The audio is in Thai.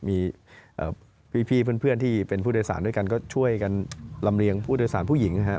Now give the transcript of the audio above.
มีพี่เพื่อนที่เป็นผู้โดยสารด้วยกันก็ช่วยกันลำเลียงผู้โดยสารผู้หญิงนะครับ